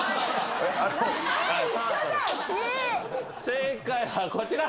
正解はこちら。